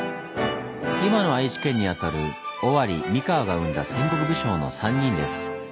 今の愛知県にあたる尾張三河が生んだ戦国武将の３人です。